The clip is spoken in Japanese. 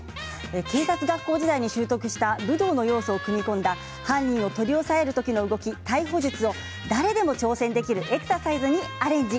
警察学校時代に習得した武道の要素を組み込んだ犯人を取り押さえる時の動き逮捕術を誰でも挑戦できるエクササイズにアレンジ。